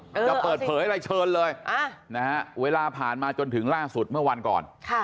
จะเปิดเผยอะไรเชิญเลยนะฮะเวลาผ่านมาจนถึงล่าสุดเมื่อวันก่อน